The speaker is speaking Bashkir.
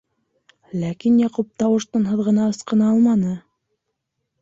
Ләкин Яҡуп тауыш-тынһыҙ ғына ысҡына алманы.